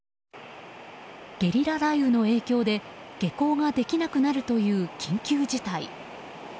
ゲリラ雷雨の影響で下校ができなくなるという緊急事態。